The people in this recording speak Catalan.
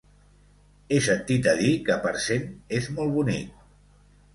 He sentit a dir que Parcent és molt bonic.